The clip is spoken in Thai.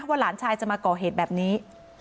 หลานชายจะมาก่อเหตุแบบนี้